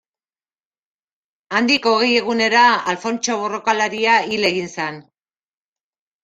Handik hogei egunera Alfontso borrokalaria hil egin zen.